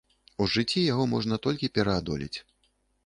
У жыцці яго можна толькі пераадолець.